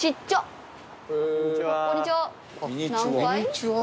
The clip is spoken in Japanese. こんにちは。